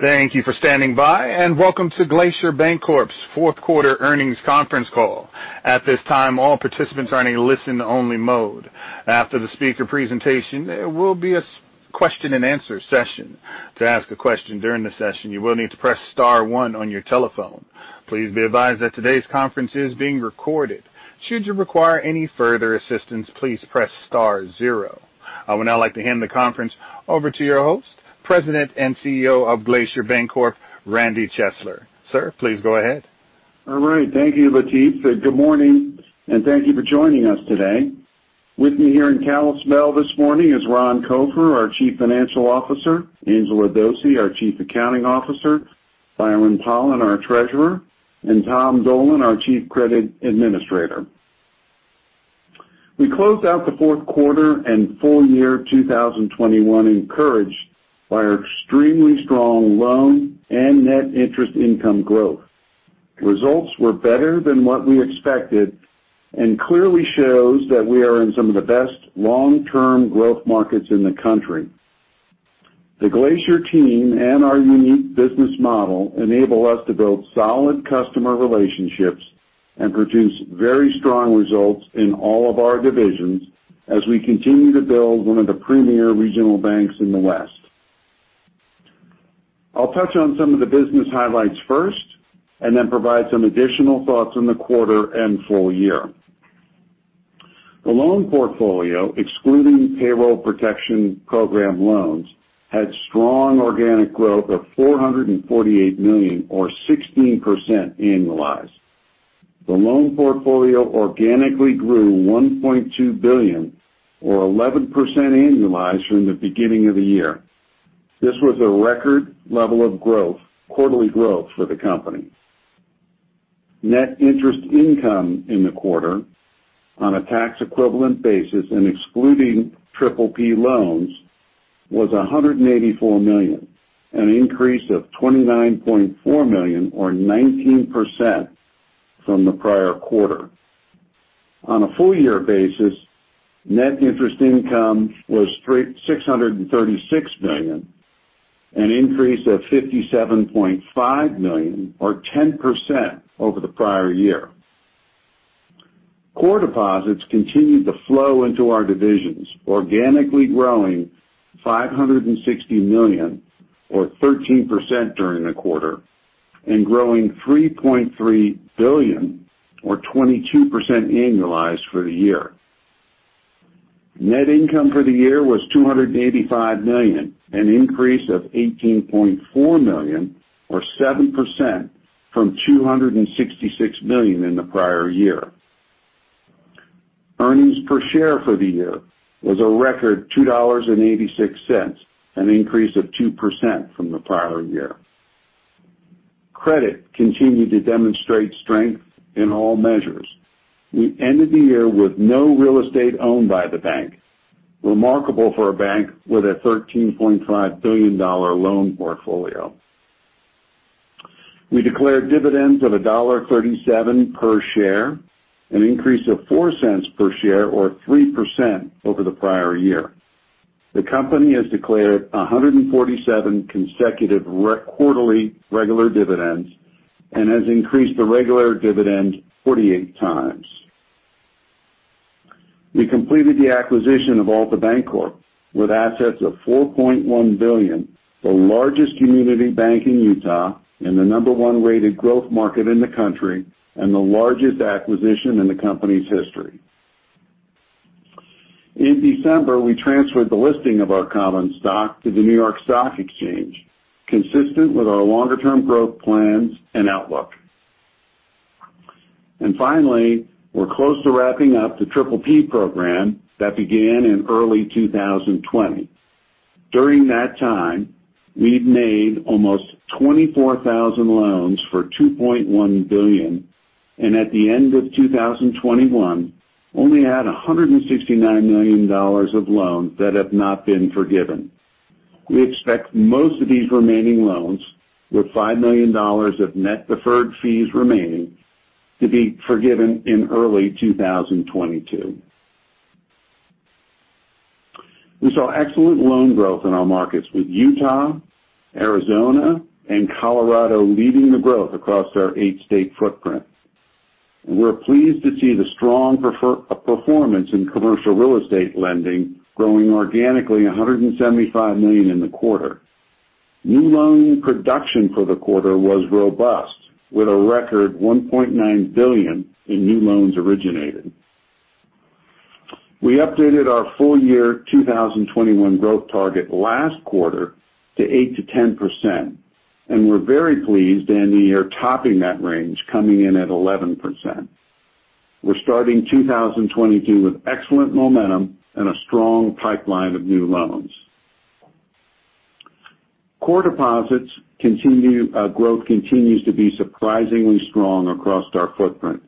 Thank you for standing by and welcome to Glacier Bancorp's fourth quarter earnings conference call. At this time, all participants are in a listen only mode. After the speaker presentation, there will be a question and answer session. To ask a question during the session, you will need to press star one on your telephone. Please be advised that today's conference is being recorded. Should you require any further assistance, please press star zero. I would now like to hand the conference over to your host, President and CEO of Glacier Bancorp, Randy Chesler. Sir, please go ahead. All right. Thank you, Latif. Good morning and thank you for joining us today. With me here in Kalispell this morning is Ron Copher, our Chief Financial Officer, Angela Dose, our Chief Accounting Officer, Byron Pollan, our Treasurer, and Tom Dolan, our Chief Credit Administrator. We closed out the fourth quarter and full year 2021 encouraged by our extremely strong loan and net interest income growth. Results were better than what we expected and clearly shows that we are in some of the best long-term growth markets in the country. The Glacier team and our unique business model enable us to build solid customer relationships and produce very strong results in all of our divisions as we continue to build one of the premier regional banks in the West. I'll touch on some of the business highlights first, and then provide some additional thoughts on the quarter and full year. The loan portfolio, excluding Paycheck Protection Program loans, had strong organic growth of $448 million or 16% annualized. The loan portfolio organically grew $1.2 billion or 11% annualized from the beginning of the year. This was a record level of growth, quarterly growth for the company. Net interest income in the quarter on a tax equivalent basis and excluding PPP loans was $184 million, an increase of $29.4 million or 19% from the prior quarter. On a full year basis, net interest income was $636 million, an increase of $57.5 million or 10% over the prior year. Core deposits continued to flow into our divisions, organically growing $560 million or 13% during the quarter, and growing $3.3 billion or 22% annualized for the year. Net income for the year was $285 million, an increase of $18.4 million or 7% from $266 million in the prior year. Earnings per share for the year was a record $2.86, an increase of 2% from the prior year. Credit continued to demonstrate strength in all measures. We ended the year with no real estate owned by the bank, remarkable for a bank with a $13.5 billion loan portfolio. We declared dividends of $1.37 per share, an increase of $0.04 per share or 3% over the prior year. The company has declared 147 consecutive quarterly regular dividends and has increased the regular dividend 48x. We completed the acquisition of Altabancorp with assets of $4.1 billion, the largest community bank in Utah and the No. 1 rated growth market in the country, and the largest acquisition in the company's history. In December, we transferred the listing of our common stock to the New York Stock Exchange, consistent with our longer-term growth plans and outlook. Finally, we're close to wrapping up the triple P program that began in early 2020. During that time, we've made almost 24,000 loans for $2.1 billion, and at the end of 2021, only had $169 million of loans that have not been forgiven. We expect most of these remaining loans, with $5 million of net deferred fees remaining, to be forgiven in early 2022. We saw excellent loan growth in our markets with Utah, Arizona, and Colorado leading the growth across our eight-state footprint. We're pleased to see the strong performance in commercial real estate lending growing organically $175 million in the quarter. New loan production for the quarter was robust with a record $1.9 billion in new loans originated. We updated our full year 2021 growth target last quarter to 8%-10%, and we're very pleased ending the year topping that range coming in at 11%. We're starting 2022 with excellent momentum and a strong pipeline of new loans. Core deposits continue, growth continues to be surprisingly strong across our footprint,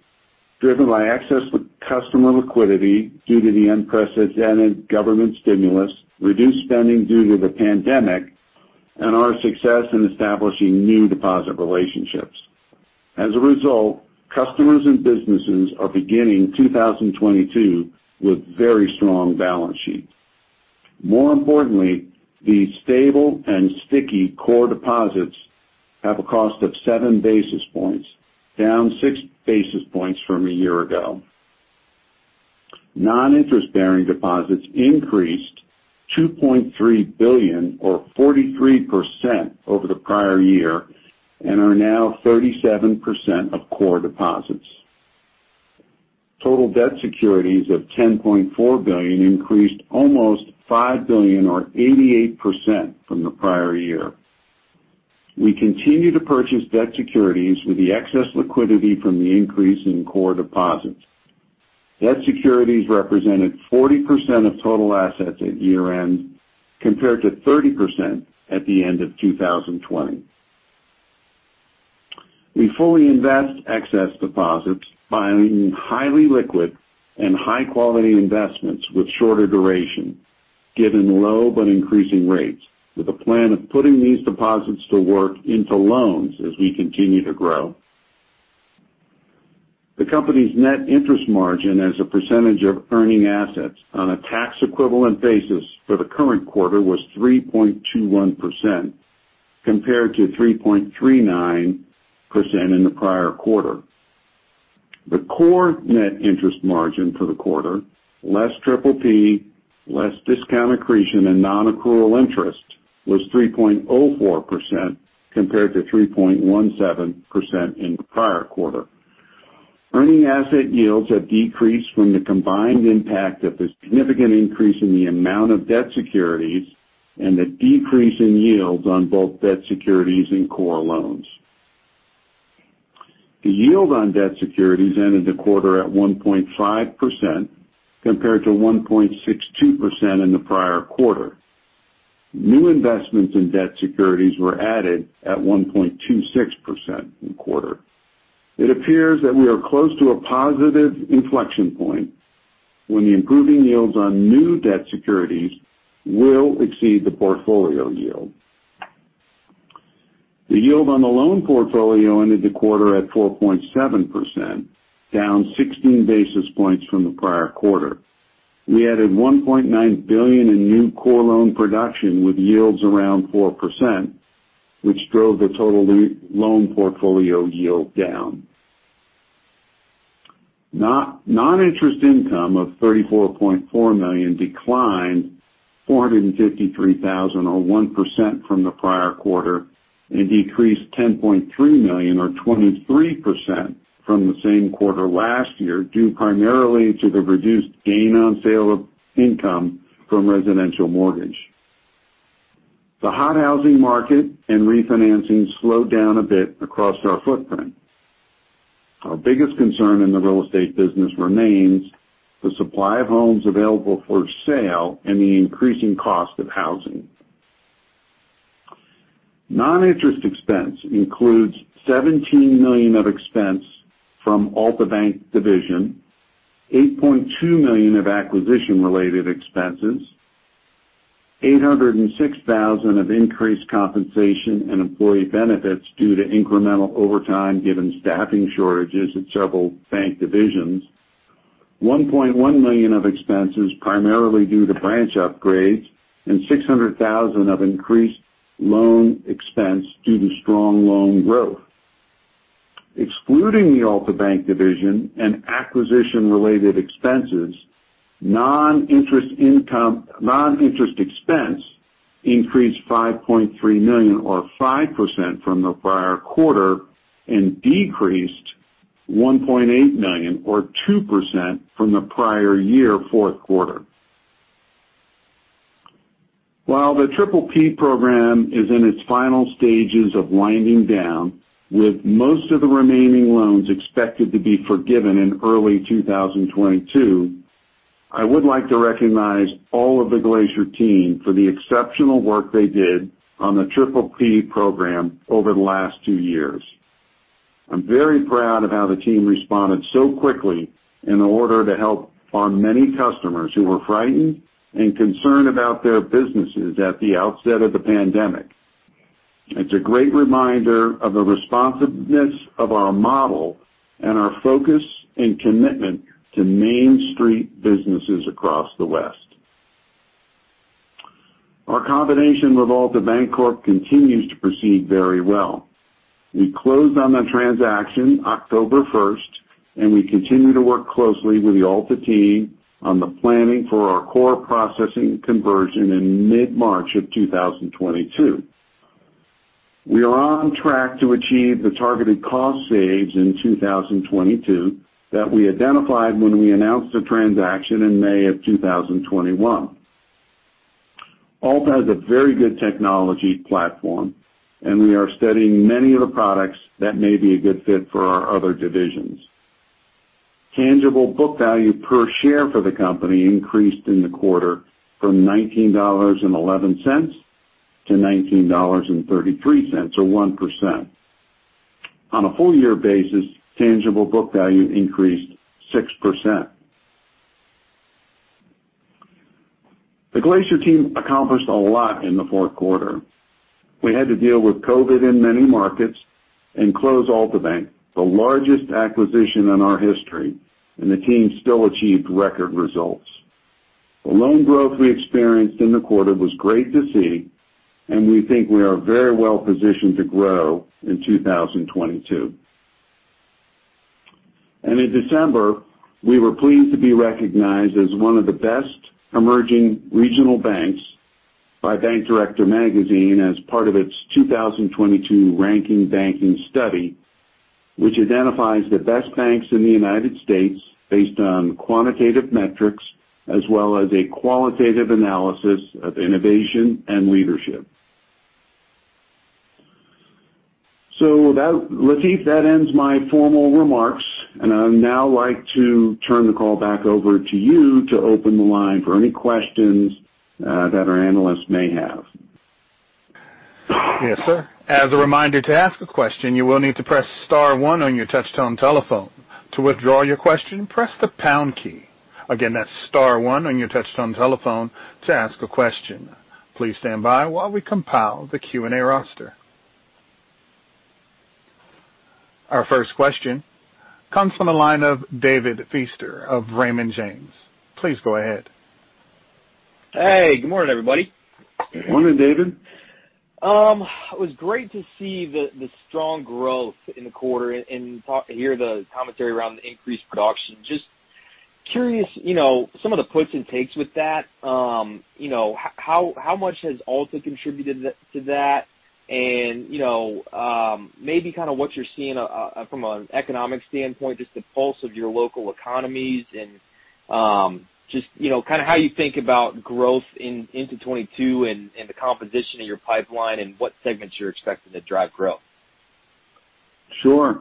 driven by excess customer liquidity due to the unprecedented government stimulus, reduced spending due to the pandemic, and our success in establishing new deposit relationships. As a result, customers and businesses are beginning 2022 with very strong balance sheets. More importantly, the stable and sticky core deposits have a cost of 7 basis points, down 6 basis points from a year ago. Non-interest-bearing deposits increased $2.3 billion or 43% over the prior year and are now 37% of core deposits. Total debt securities of $10.4 billion increased almost $5 billion or 88% from the prior year. We continue to purchase debt securities with the excess liquidity from the increase in core deposits. Debt securities represented 40% of total assets at year-end, compared to 30% at the end of 2020. We fully invest excess deposits by highly liquid and high-quality investments with shorter duration, given low but increasing rates, with a plan of putting these deposits to work into loans as we continue to grow. The company's net interest margin as a percentage of earning assets on a tax equivalent basis for the current quarter was 3.21% compared to 3.39% in the prior quarter. The core net interest margin for the quarter, less PPP, less discount accretion, and non-accrual interest, was 3.04% compared to 3.17% in the prior quarter. Earning asset yields have decreased from the combined impact of the significant increase in the amount of debt securities and the decrease in yields on both debt securities and core loans. The yield on debt securities ended the quarter at 1.5% compared to 1.62% in the prior quarter. New investments in debt securities were added at 1.26% in quarter. It appears that we are close to a positive inflection point when the improving yields on new debt securities will exceed the portfolio yield. The yield on the loan portfolio ended the quarter at 4.7%, down 16 basis points from the prior quarter. We added $1.9 billion in new core loan production with yields around 4%, which drove the total loan portfolio yield down. Non-interest income of $34.4 million declined $453,000 or 1% from the prior quarter, and decreased $10.3 million or 23% from the same quarter last year, due primarily to the reduced gain on sale income from residential mortgage. The hot housing market and refinancing slowed down a bit across our footprint. Our biggest concern in the real estate business remains the supply of homes available for sale and the increasing cost of housing. Non-interest expense includes $17 million of expense from Altabank division, $8.2 million of acquisition-related expenses, $806,000 of increased compensation and employee benefits due to incremental overtime given staffing shortages at several bank divisions, $1.1 million of expenses primarily due to branch upgrades, and $600,000 of increased loan expense due to strong loan growth. Excluding the Altabank division and acquisition-related expenses, non-interest income, non-interest expense increased $5.3 million or 5% from the prior quarter and decreased $1.8 million or 2% from the prior year fourth quarter. While the PPP program is in its final stages of winding down, with most of the remaining loans expected to be forgiven in early 2022, I would like to recognize all of the Glacier team for the exceptional work they did on the PPP program over the last two years. I'm very proud of how the team responded so quickly in order to help our many customers who were frightened and concerned about their businesses at the outset of the pandemic. It's a great reminder of the responsiveness of our model and our focus and commitment to Main Street businesses across the West. Our combination with Altabancorp continues to proceed very well. We closed on the transaction October 1, and we continue to work closely with the Alta team on the planning for our core processing conversion in mid-March 2022. We are on track to achieve the targeted cost savings in 2022 that we identified when we announced the transaction in May 2021. Alta has a very good technology platform, and we are studying many of the products that may be a good fit for our other divisions. Tangible book value per share for the company increased in the quarter from $19.11-$19.33, or 1%. On a full-year basis, tangible book value increased 6%. The Glacier team accomplished a lot in the fourth quarter. We had to deal with COVID in many markets and close Altabank, the largest acquisition in our history, and the team still achieved record results. The loan growth we experienced in the quarter was great to see, and we think we are very well positioned to grow in 2022. In December, we were pleased to be recognized as one of the best emerging regional banks by Bank Director magazine as part of its 2022 ranking banking study, which identifies the best banks in the United States based on quantitative metrics as well as a qualitative analysis of innovation and leadership. Latif, that ends my formal remarks, and I'd now like to turn the call back over to you to open the line for any questions that our analysts may have. Yes, sir. As a reminder, to ask a question, you will need to press star one on your touchtone telephone. To withdraw your question, press the pound key. Again, that's star one on your touchtone telephone to ask a question. Please stand by while we compile the Q&A roster. Our first question comes from the line of David Feaster of Raymond James. Please go ahead. Hey, good morning, everybody. Morning, David. It was great to see the strong growth in the quarter and hear the commentary around the increased production. Just curious, you know, some of the puts and takes with that. You know, how much has Altabancorp contributed to that? And you know, maybe kind of what you're seeing from an economic standpoint, just the pulse of your local economies and just you know, kind of how you think about growth into 2022 and the composition of your pipeline and what segments you're expecting to drive growth. Sure.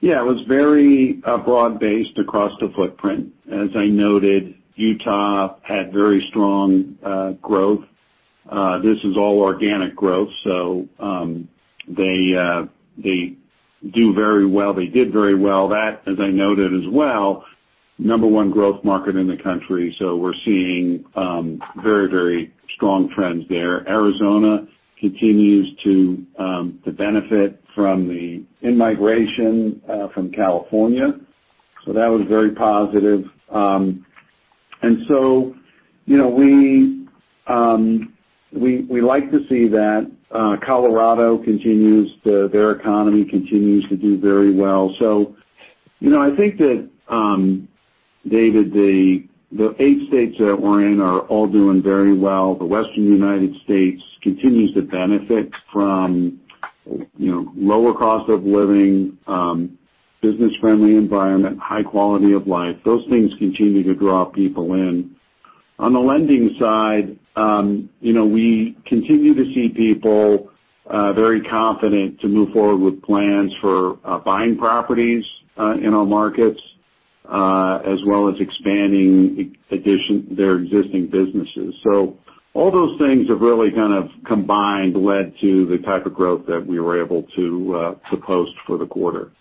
Yeah, it was very broad-based across the footprint. As I noted, Utah had very strong growth. This is all organic growth, so they do very well. They did very well. That, as I noted as well, number one growth market in the country, so we're seeing very, very strong trends there. Arizona continues to benefit from the in-migration from California. That was very positive. You know, we like to see that. Colorado continues. Their economy continues to do very well. You know, I think that David, the eight states that we're in are all doing very well. The Western United States continues to benefit from you know, lower cost of living, business-friendly environment, high quality of life. Those things continue to draw people in. On the lending side, you know, we continue to see people very confident to move forward with plans for buying properties in our markets as well as expanding their existing businesses. All those things have really kind of combined to lead to the type of growth that we were able to to post for the quarter.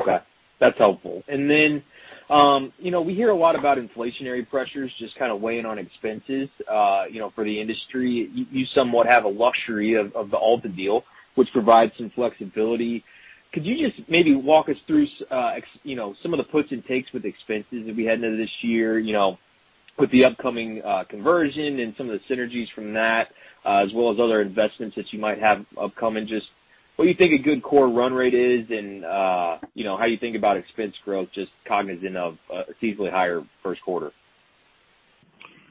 Okay, that's helpful. You know, we hear a lot about inflationary pressures just kind of weighing on expenses, you know, for the industry. You somewhat have a luxury of the Alta deal, which provides some flexibility. Could you just maybe walk us through you know, some of the puts and takes with expenses as we head into this year, you know, with the upcoming conversion and some of the synergies from that, as well as other investments that you might have upcoming? Just what you think a good core run rate is and, you know, how you think about expense growth, just cognizant of a seasonally higher first quarter.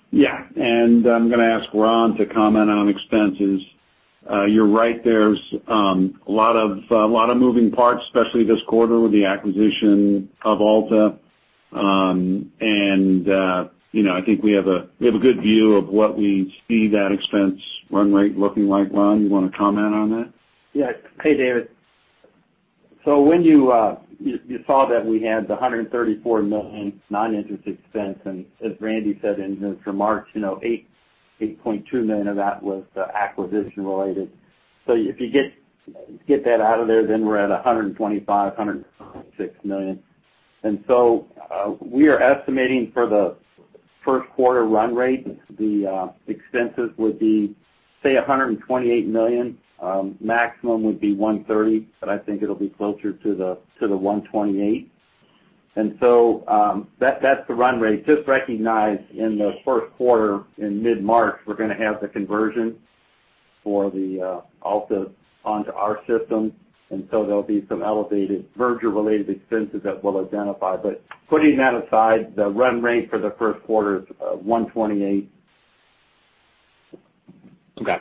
Yeah. I'm gonna ask Ron to comment on expenses. You're right. There's a lot of moving parts, especially this quarter with the acquisition of Altabancorp. I think we have a good view of what we see that expense run rate looking like. Ron, you wanna comment on that? Yeah. Hey, David. When you saw that we had the $134 million non-interest expense, and as Randy said in his remarks, you know, $8.2 million of that was acquisition-related. If you get that out of there, then we're at a $125-$126 million. We are estimating for the first quarter run rate, the expenses would be, say, $128 million. Maximum would be $130, but I think it'll be closer to the $128. That's the run rate. Just recognize in the first quarter, in mid-March, we're gonna have the conversion for the Alta onto our system, and so there'll be some elevated merger-related expenses that we'll identify. Putting that aside, the run rate for the first quarter is 128. Okay.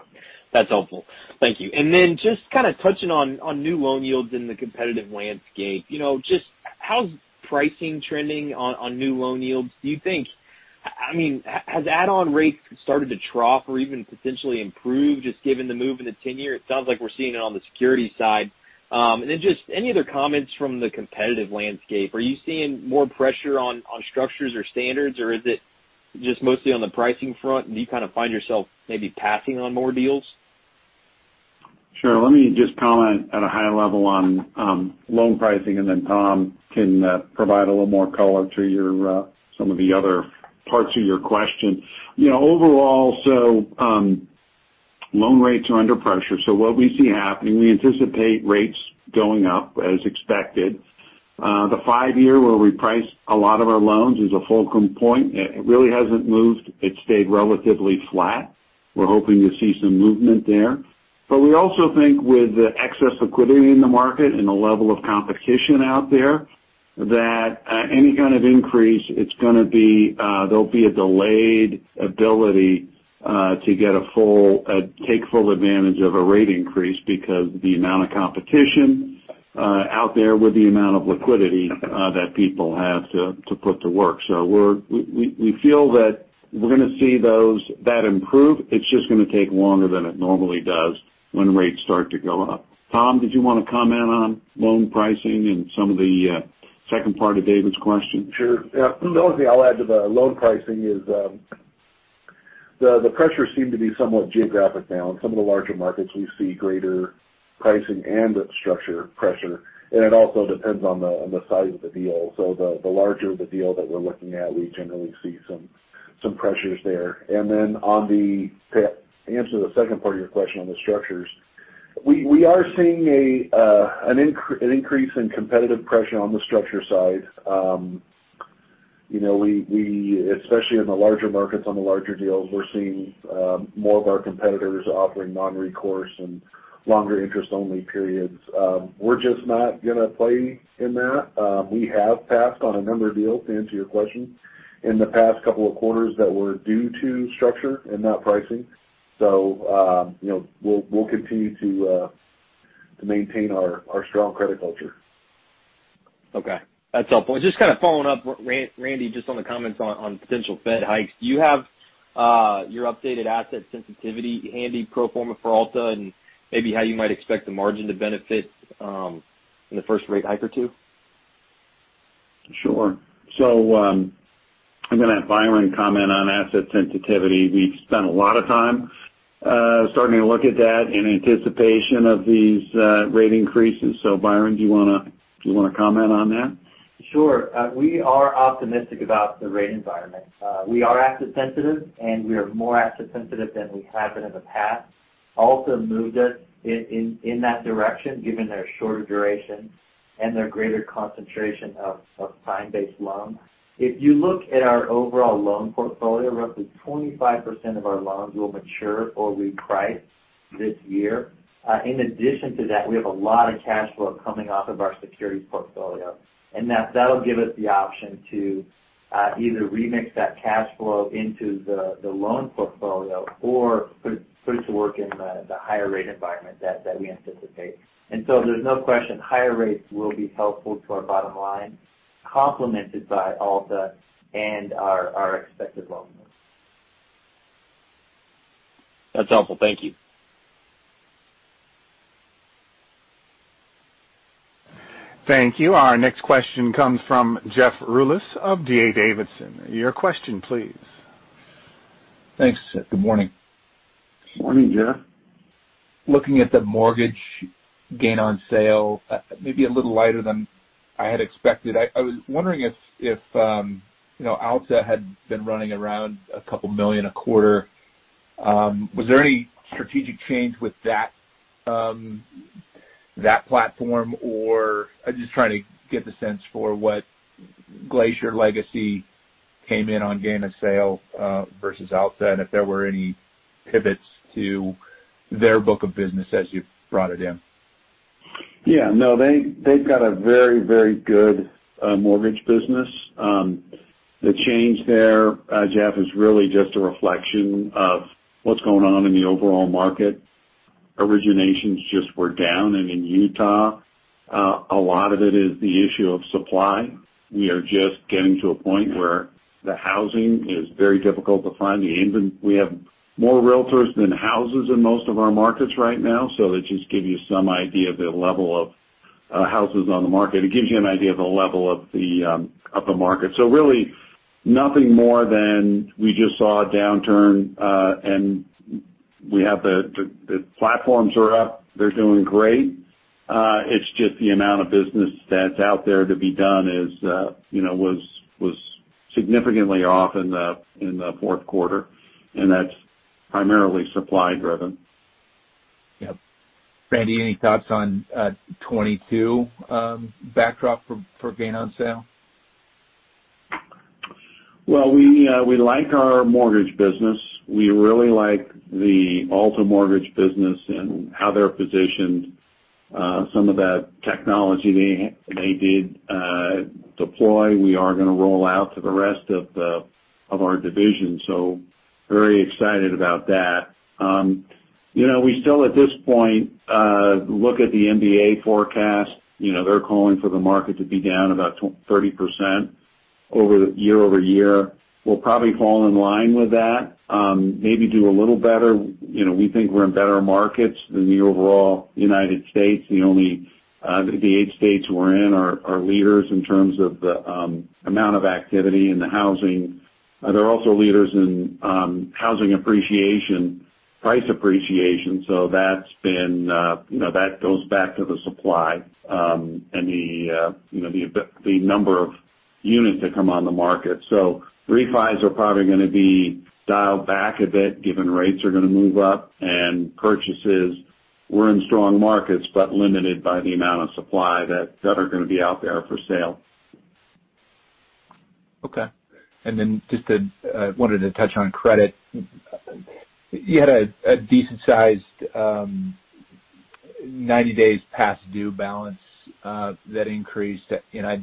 That's helpful. Thank you. Just kind of touching on new loan yields in the competitive landscape. You know, just how's pricing trending on new loan yields? Do you think I mean, has add-on rates started to trough or even potentially improve just given the move in the ten-year? It sounds like we're seeing it on the security side. Just any other comments from the competitive landscape. Are you seeing more pressure on structures or standards? Or is it just mostly on the pricing front and you kind of find yourself maybe passing on more deals? Sure. Let me just comment at a high level on loan pricing, and then Tom can provide a little more color to some of the other parts of your question. You know, overall, loan rates are under pressure. What we see happening, we anticipate rates going up as expected. The 5-year where we price a lot of our loans is a fulcrum point. It really hasn't moved. It stayed relatively flat. We're hoping to see some movement there. We also think with the excess liquidity in the market and the level of competition out there, that any kind of increase, it's gonna be, there'll be a delayed ability to take full advantage of a rate increase because the amount of competition out there with the amount of liquidity that people have to put to work. So we feel that we're gonna see those that improve. It's just gonna take longer than it normally does when rates start to go up. Tom, did you wanna comment on loan pricing and some of the second part of David's question? Sure. Yeah. The only thing I'll add to the loan pricing is the pressures seem to be somewhat geographic now. In some of the larger markets, we see greater pricing and structure pressure, and it also depends on the size of the deal. The larger the deal that we're looking at, we generally see some pressures there. To answer the second part of your question on the structures, we are seeing an increase in competitive pressure on the structure side. You know, we especially in the larger markets, on the larger deals, we're seeing more of our competitors offering non-recourse and longer interest-only periods. We're just not gonna play in that. We have passed on a number of deals, to answer your question, in the past couple of quarters that were due to structure and not pricing. You know, we'll continue to maintain our strong credit culture. Okay. That's helpful. Just kinda following up, Randy, just on the comments on potential Fed hikes. Do you have your updated asset sensitivity handy pro forma for Alta and maybe how you might expect the margin to benefit in the first rate hike or two? Sure. I'm gonna have Byron comment on asset sensitivity. We've spent a lot of time starting to look at that in anticipation of these rate increases. Byron, do you wanna comment on that? Sure. We are optimistic about the rate environment. We are asset sensitive, and we are more asset sensitive than we have been in the past. Alta moved us in that direction given their shorter duration and their greater concentration of term-based loans. If you look at our overall loan portfolio, roughly 25% of our loans will mature or reprice this year. In addition to that, we have a lot of cash flow coming off of our securities portfolio, and that'll give us the option to either remix that cash flow into the loan portfolio or put it to work in the higher rate environment that we anticipate. There's no question higher rates will be helpful to our bottom line, complemented by Alta and our expected loan growth. That's helpful. Thank you. Thank you. Our next question comes from Jeff Rulis of D.A. Davidson. Your question, please. Thanks. Good morning. Morning, Jeff. Looking at the mortgage gain on sale, maybe a little lighter than I had expected, I was wondering if you know, Alta had been running around a couple million a quarter, was there any strategic change with that platform? Or I'm just trying to get the sense for what Glacier Legacy came in on gain on sale versus Alta, and if there were any pivots to their book of business as you've brought it in. Yeah, no, they've got a very, very good mortgage business. The change there, Jeff, is really just a reflection of what's going on in the overall market. Originations just were down. In Utah, a lot of it is the issue of supply. We are just getting to a point where the housing is very difficult to find. We have more realtors than houses in most of our markets right now. That just give you some idea of the level of houses on the market. It gives you an idea of the level of the market. Really nothing more than we just saw a downturn, and the platforms are up. They're doing great. It's just the amount of business that's out there to be done is, you know, was significantly off in the fourth quarter, and that's primarily supply driven. Yep. Randy, any thoughts on 2022 backdrop for gain on sale? Well, we like our mortgage business. We really like the Alta mortgage business and how they're positioned. Some of that technology they did deploy, we are gonna roll out to the rest of our divisions, so very excited about that. You know, we still at this point look at the MBA forecast. You know, they're calling for the market to be down about 30% year-over-year. We'll probably fall in line with that, maybe do a little better. You know, we think we're in better markets than the overall United States. The eight states we're in are leaders in terms of the amount of activity in the housing. They're also leaders in housing appreciation, price appreciation. That's been, you know, that goes back to the supply, and the, you know, the number of units that come on the market. Refis are probably gonna be dialed back a bit given rates are gonna move up and purchases. We're in strong markets, but limited by the amount of supply that are gonna be out there for sale. Okay. Wanted to touch on credit. You had a decent sized 90 days past due balance that increased. I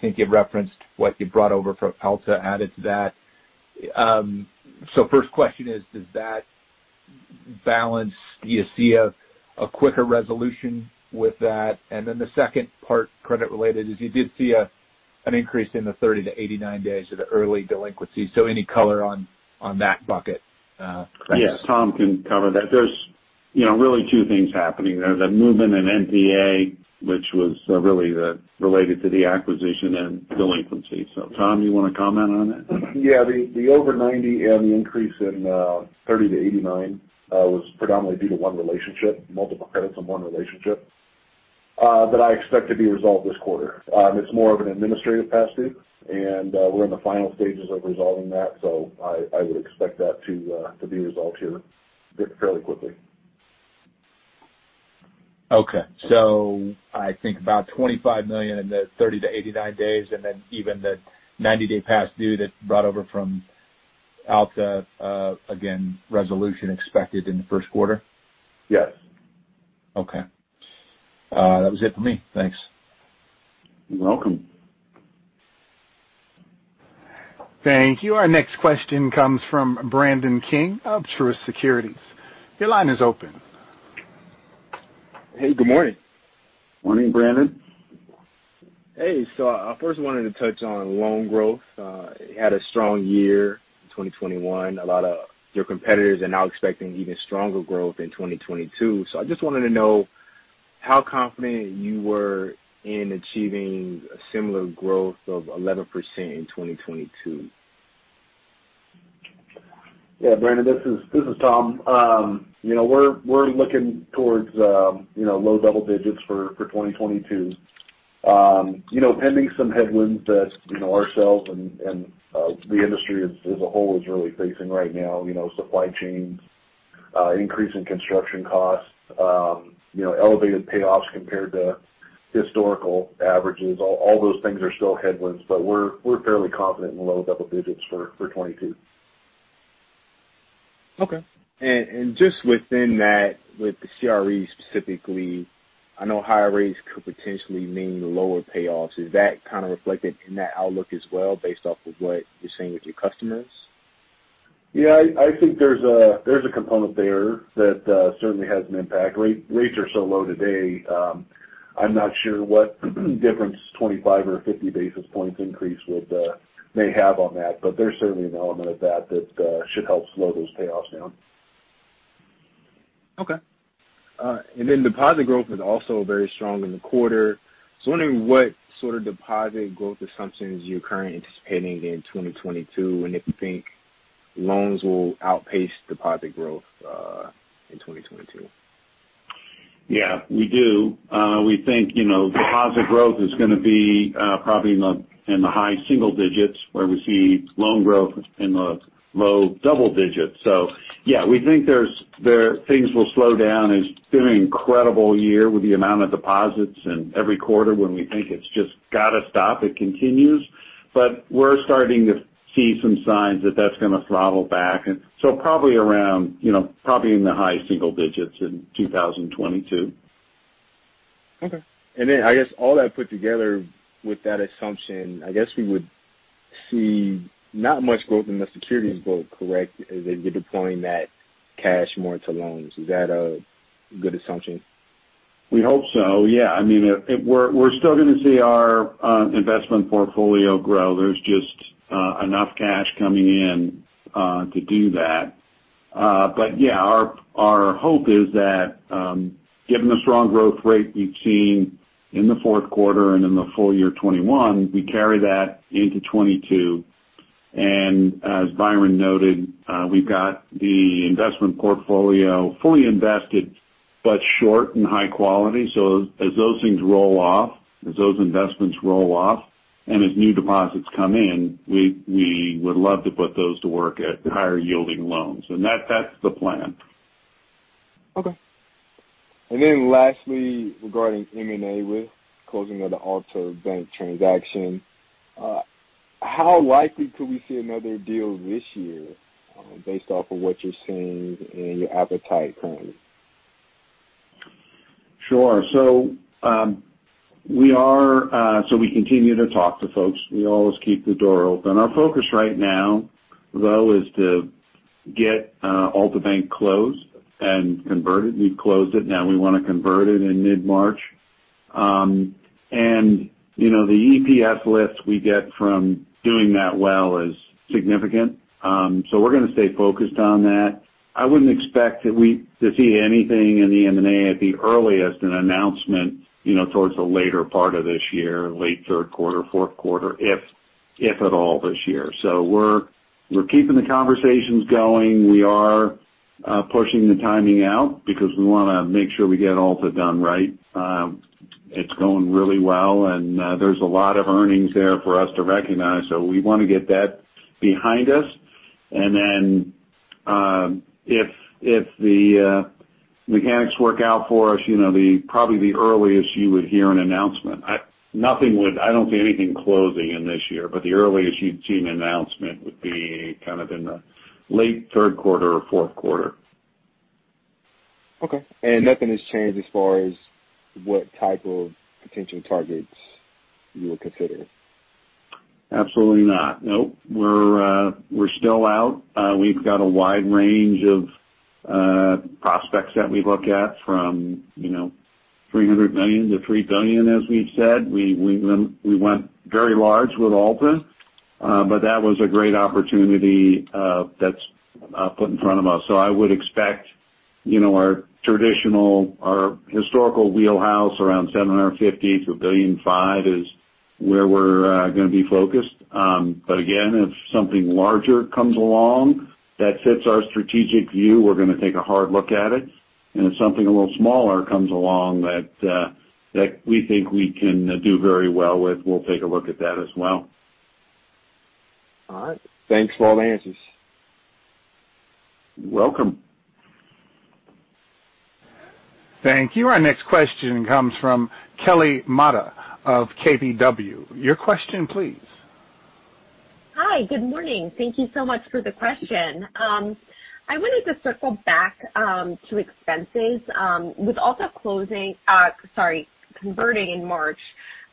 think you referenced what you brought over from Alta added to that. First question is, do you see a quicker resolution with that? The second part, credit related, is you did see an increase in the 30-89 days of the early delinquency. Any color on that bucket, credits? Yes, Tom can cover that. There's, you know, really two things happening there. The movement in NPA, which was really related to the acquisition and delinquency. Tom, you wanna comment on that? Yeah. The over 90 and the increase in 30-89 was predominantly due to one relationship, multiple credits that I expect to be resolved this quarter. It's more of an administrative past due, and we're in the final stages of resolving that. I would expect that to be resolved here fairly quickly. I think about $25 million in the 30-89 days, and then even the 90-day past due that's brought over from Altabank, again, resolution expected in the first quarter. Yes. Okay. That was it for me. Thanks. You're welcome. Thank you. Our next question comes from Brandon King of Truist Securities. Your line is open. Hey, good morning. Morning, Brandon. Hey. I first wanted to touch on loan growth. You had a strong year in 2021. A lot of your competitors are now expecting even stronger growth in 2022. I just wanted to know how confident you were in achieving a similar growth of 11% in 2022. Yeah. Brandon, this is Tom. You know, we're looking towards, you know, low double digits for 2022. You know, pending some headwinds that, you know, ourselves and the industry as a whole is really facing right now. You know, supply chains, increase in construction costs, you know, elevated payoffs compared to historical averages. All those things are still headwinds, but we're fairly confident in low double digits for 2022. Okay. Just within that, with the CRE specifically, I know higher rates could potentially mean lower payoffs. Is that kind of reflected in that outlook as well based off of what you're seeing with your customers? Yeah, I think there's a component there that certainly has an impact. Rates are so low today. I'm not sure what difference 25 or 50 basis points increase may have on that, but there's certainly an element of that that should help slow those payoffs down. Okay. Deposit growth was also very strong in the quarter. I'm wondering what sort of deposit growth assumptions you're currently anticipating in 2022, and if you think loans will outpace deposit growth in 2022. Yeah, we do. We think, you know, deposit growth is gonna be probably in the high single digits where we see loan growth in the low double digits. Yeah, we think things will slow down. It's been an incredible year with the amount of deposits, and every quarter when we think it's just gotta stop, it continues. We're starting to see some signs that that's gonna throttle back. Probably around, you know, probably in the high single digits% in 2022. Okay. I guess all that put together with that assumption, I guess we would see not much growth in the securities growth, correct? As in you're deploying that cash more to loans. Is that a good assumption? We hope so. Yeah. I mean, we're still gonna see our investment portfolio grow. There's just enough cash coming in to do that. Yeah, our hope is that, given the strong growth rate we've seen in the fourth quarter and in the full year 2021, we carry that into 2022. As Byron noted, we've got the investment portfolio fully invested but short and high quality. As those things roll off, as those investments roll off, and as new deposits come in, we would love to put those to work at higher yielding loans. That's the plan. Okay. Lastly, regarding M&A with closing of the Altabank transaction, how likely could we see another deal this year, based off of what you're seeing and your appetite currently? Sure. We continue to talk to folks. We always keep the door open. Our focus right now though is to get Altabank closed and converted. We've closed it, now we wanna convert it in mid-March. You know, the EPS lift we get from doing that well is significant. We're gonna stay focused on that. I wouldn't expect to see anything in the M&A at the earliest, an announcement, you know, towards the later part of this year, late third quarter, fourth quarter, if at all this year. We're keeping the conversations going. We're pushing the timing out because we wanna make sure we get Altabank done right. It's going really well, and there's a lot of earnings there for us to recognize. We wanna get that behind us, and then, if the mechanics work out for us, you know, probably the earliest you would hear an announcement. I don't see anything closing in this year, but the earliest you'd see an announcement would be kind of in the late third quarter or fourth quarter. Okay. Nothing has changed as far as what type of potential targets you will consider? Absolutely not. Nope. We're still out. We've got a wide range of prospects that we look at from, you know, $300 million-$3 billion, as we've said. We went very large with Alta, but that was a great opportunity that's put in front of us. I would expect, you know, our traditional, our historical wheelhouse around $750 million-$1.5 billion is where we're gonna be focused. Again, if something larger comes along that fits our strategic view, we're gonna take a hard look at it. If something a little smaller comes along that we think we can do very well with, we'll take a look at that as well. All right. Thanks for all the answers. You're welcome. Thank you. Our next question comes from Kelly Motta of KBW. Your question please. Hi, good morning. Thank you so much for the question. I wanted to circle back to expenses with converting in March.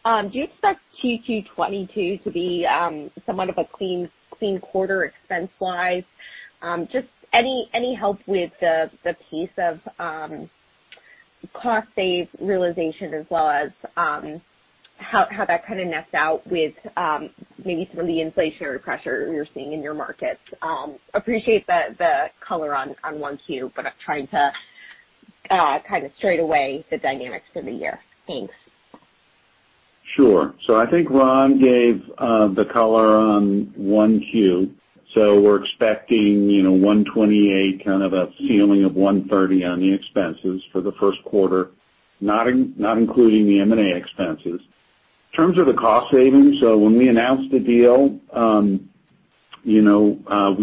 Do you expect Q2 2022 to be somewhat of a clean quarter expense-wise? Just any help with the piece of cost savings realization as well as how that kinda nets out with maybe some of the inflationary pressure you're seeing in your markets. Appreciate the color on Q1, but I'm trying to kind of straighten out the dynamics for the year. Thanks. Sure. I think Ron gave the color on 1Q. We're expecting, you know, $128, kind of a ceiling of $130 on the expenses for the first quarter, not including the M&A expenses. In terms of the cost savings, when we announced the deal, you know,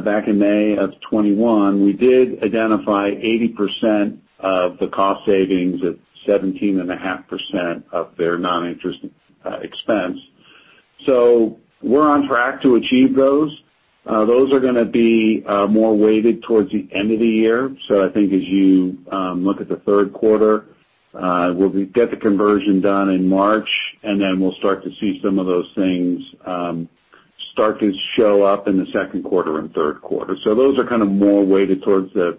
back in May 2021, we did identify 80% of the cost savings at 17.5% of their non-interest expense. We're on track to achieve those. Those are gonna be more weighted towards the end of the year. I think as you look at the third quarter, we'll get the conversion done in March, and then we'll start to see some of those things start to show up in the second quarter and third quarter. Those are kind of more weighted towards the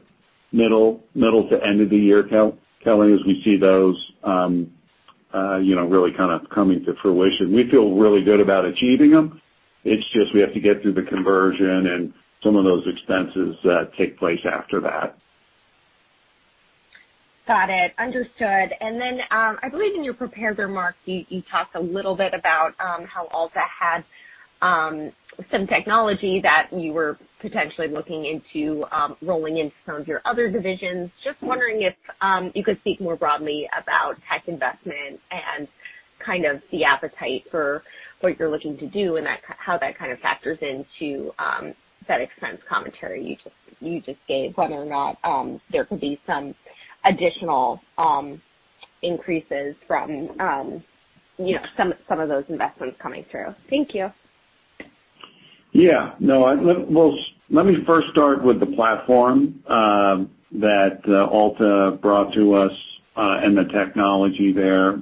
middle to end of the year, Kelly, as we see those, you know, really kinda coming to fruition. We feel really good about achieving them. It's just we have to get through the conversion and some of those expenses take place after that. Got it. Understood. I believe in your prepared remarks, you talked a little bit about how Alta had some technology that you were potentially looking into rolling into some of your other divisions. Just wondering if you could speak more broadly about tech investment and kind of the appetite for what you're looking to do and how that kind of factors into that expense commentary you just gave, whether or not there could be some additional increases from you know some of those investments coming through. Thank you. Yeah. No, well, let me first start with the platform that Alta brought to us and the technology there.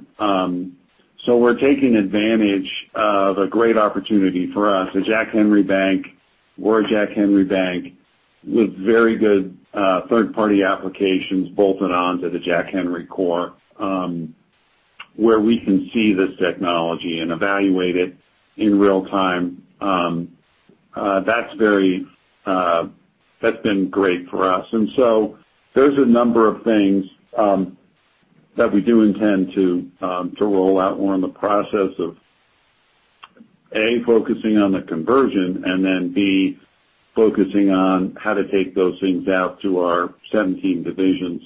We're taking advantage of a great opportunity for us. At Jack Henry Bank, we're a Jack Henry bank with very good third-party applications bolted on to the Jack Henry core, where we can see this technology and evaluate it in real time. That's been great for us. There's a number of things that we do intend to roll out. We're in the process of, A, focusing on the conversion, and then, B, focusing on how to take those things out to our 17 divisions,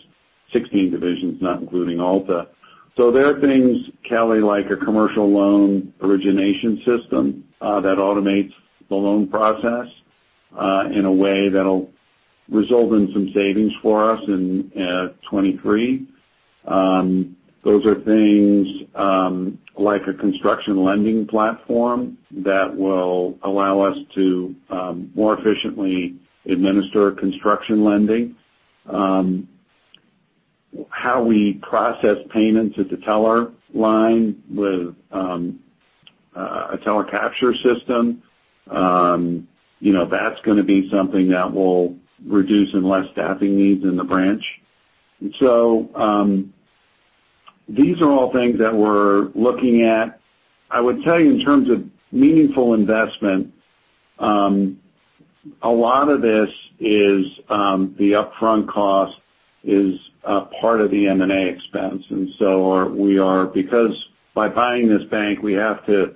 16 divisions, not including Alta. There are things, Kelly, like a commercial loan origination system that automates the loan process in a way that'll result in some savings for us in 2023. Those are things like a construction lending platform that will allow us to more efficiently administer construction lending. How we process payments at the teller line with a teller capture system, you know, that's gonna be something that will result in less staffing needs in the branch. These are all things that we're looking at. I would tell you in terms of meaningful investment, a lot of this, the upfront cost, is part of the M&A expense because by buying this bank, we have to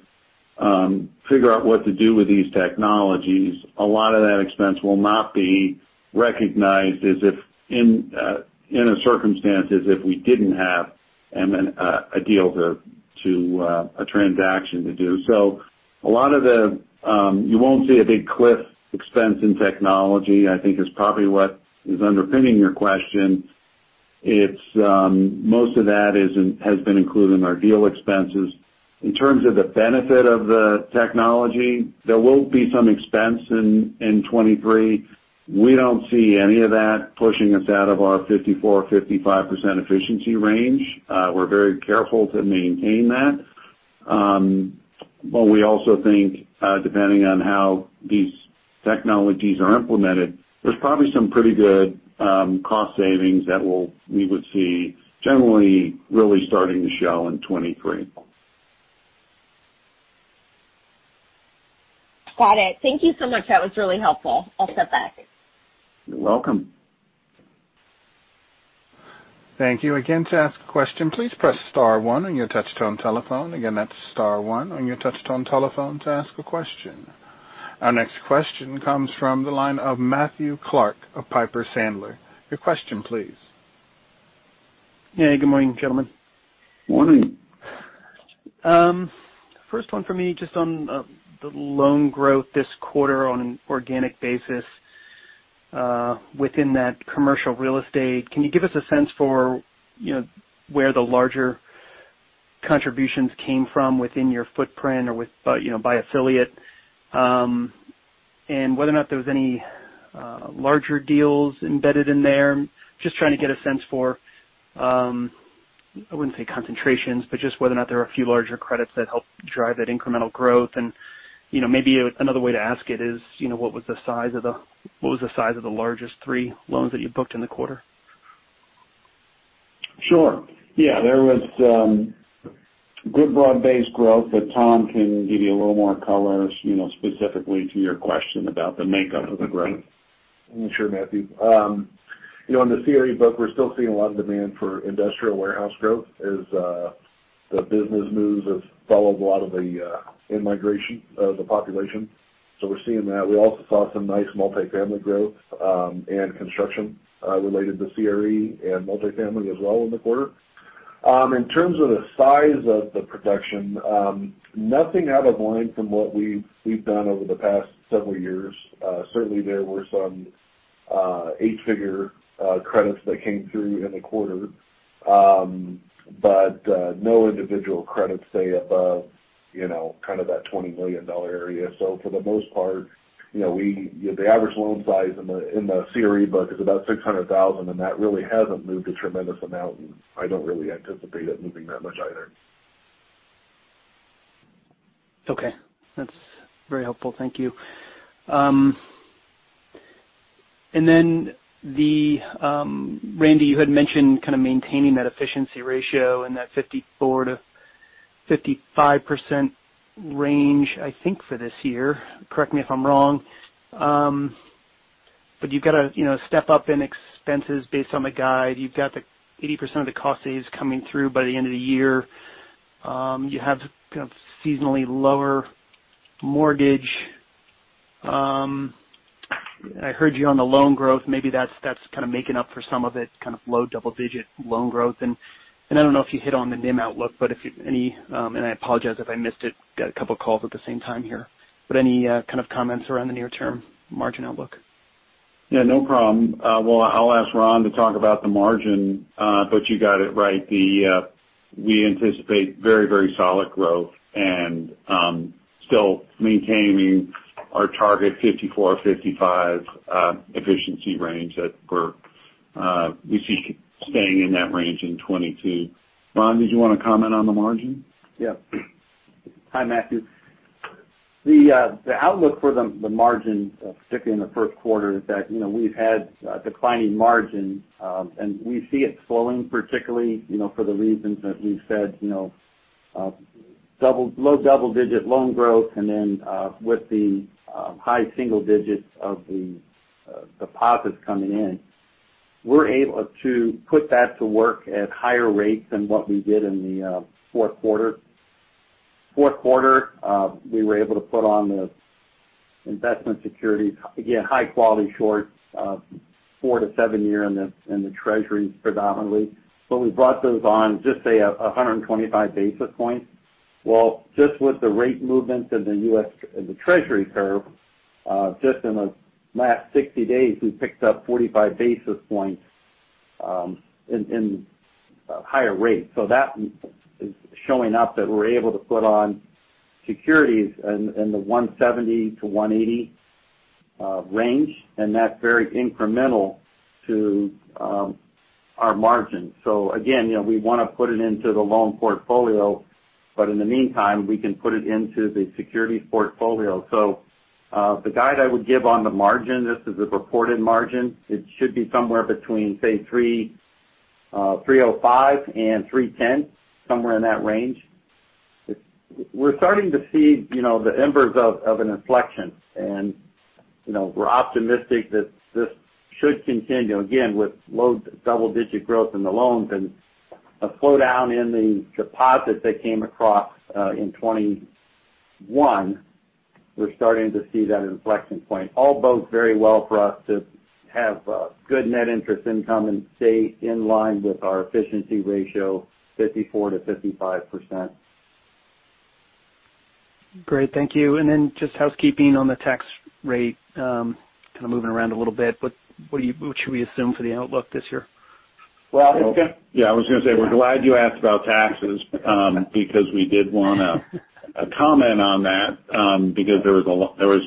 figure out what to do with these technologies. A lot of that expense will not be recognized as if in a circumstance as if we didn't have a deal to a transaction to do. A lot of the you won't see a big cliff expense in technology, I think is probably what is underpinning your question. Most of that has been included in our deal expenses. In terms of the benefit of the technology, there will be some expense in 2023. We don't see any of that pushing us out of our 54%-55% efficiency range. We're very careful to maintain that. We also think depending on how these technologies are implemented, there's probably some pretty good cost savings that we would see generally really starting to show in 2023. Got it. Thank you so much. That was really helpful. I'll step back. You're welcome. Thank you. Again, to ask a question, please press star one on your touchtone telephone. Again, that's star one on your touchtone telephone to ask a question. Our next question comes from the line of Matthew Clark of Piper Sandler. Your question please. Yeah, good morning, gentlemen. Morning. First one for me, just on the loan growth this quarter on an organic basis within that commercial real estate. Can you give us a sense for, you know, where the larger contributions came from within your footprint or by affiliate? And whether or not there was any larger deals embedded in there. Just trying to get a sense for, I wouldn't say concentrations, but just whether or not there are a few larger credits that help drive that incremental growth. You know, maybe another way to ask it is, you know, what was the size of the largest three loans that you booked in the quarter? Sure. Yeah, there was good broad-based growth, but Tom can give you a little more color, you know, specifically to your question about the makeup of the growth. Sure, Matthew. You know, in the CRE book, we're still seeing a lot of demand for industrial warehouse growth as the business moves have followed a lot of the in-migration of the population. We're seeing that. We also saw some nice multifamily growth and construction related to CRE and multifamily as well in the quarter. In terms of the size of the production, nothing out of line from what we've done over the past several years. Certainly there were some eight-figure credits that came through in the quarter. But no individual credits sized above, you know, kind of that $20 million area. For the most part, you know, the average loan size in the CRE book is about $600,000, and that really hasn't moved a tremendous amount. I don't really anticipate it moving that much either. Okay. That's very helpful. Thank you. Then, Randy, you had mentioned kind of maintaining that efficiency ratio in that 54%-55% range, I think, for this year. Correct me if I'm wrong. You've got to, you know, step up in expenses based on the guide. You've got the 80% of the cost saves coming through by the end of the year. You have kind of seasonally lower mortgage. I heard you on the loan growth. Maybe that's kind of making up for some of it, kind of low double-digit loan growth. I don't know if you hit on the NIM outlook. I apologize if I missed it, got a couple calls at the same time here. Any kind of comments around the near-term margin outlook? Yeah, no problem. Well, I'll ask Ron to talk about the margin. You got it right. We anticipate very, very solid growth and still maintaining our target 54-55 efficiency range that we see staying in that range in 2022. Ron, did you want to comment on the margin? Yeah. Hi, Matthew. The outlook for the margin, particularly in the first quarter is that, you know, we've had declining margin, and we see it slowing particularly for the reasons that we've said, you know, low double-digit loan growth and then, with the high single digits of the deposits coming in. We're able to put that to work at higher rates than what we did in the fourth quarter. Fourth quarter, we were able to put on the investment securities, again, high quality shorts, four to seven-year in the Treasury predominantly. But we brought those on just, say, 125 basis points. Well, just with the rate movements in the U.S., in the Treasury curve, just in the last 60 days, we picked up 45 basis points in higher rates. That is showing up that we're able to put on securities in the 1.70%-1.80% range, and that's very incremental to our margin. Again, you know, we want to put it into the loan portfolio, but in the meantime, we can put it into the securities portfolio. The guide I would give on the margin, this is a reported margin. It should be somewhere between, say, 3.05% and 3.10%, somewhere in that range. We're starting to see, you know, the embers of an inflection. You know, we're optimistic that this should continue again with low double-digit growth in the loans and a slowdown in the deposits that came across in 2021. We're starting to see that inflection point. All bodes very well for us to have good net interest income and stay in line with our efficiency ratio, 54%-55%. Great. Thank you. Just housekeeping on the tax rate, kind of moving around a little bit, what should we assume for the outlook this year? Well- Yeah, I was gonna say, we're glad you asked about taxes, because we did wanna comment on that, because there was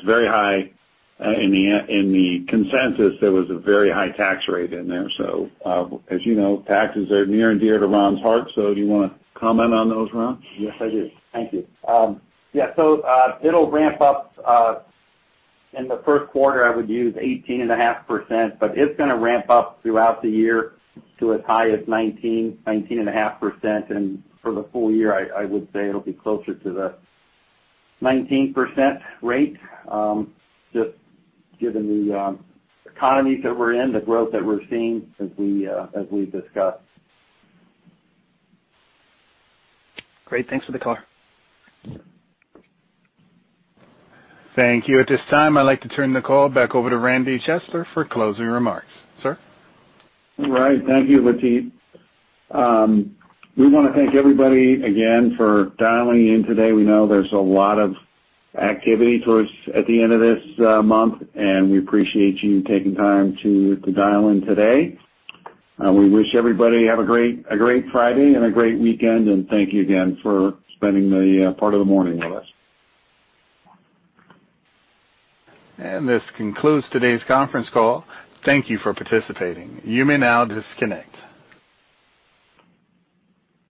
a very high tax rate in the consensus. So, as you know, taxes are near and dear to Ron's heart. So do you wanna comment on those, Ron? Yes, I do. Thank you. Yeah, it'll ramp up in the first quarter. I would use 18.5%, but it's gonna ramp up throughout the year to as high as 19%-19.5%. For the full year, I would say it'll be closer to the 19% rate, just given the economy that we're in, the growth that we're seeing since we, as we've discussed. Great. Thanks for the color. Thank you. At this time, I'd like to turn the call back over to Randy Chesler for closing remarks. Sir? All right. Thank you, Latif. We wanna thank everybody again for dialing in today. We know there's a lot of activity towards at the end of this month, and we appreciate you taking time to dial in today. We wish everybody have a great Friday and a great weekend. Thank you again for spending the part of the morning with us. This concludes today's conference call. Thank you for participating. You may now disconnect.